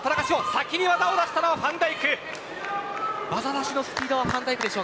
先に技を出したのはファンダイクです。